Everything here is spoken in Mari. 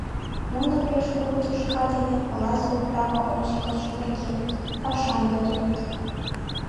Нуно пеш кугу тӱшка дене оласе управа ончыко чумыргеныт, пашам йодыныт.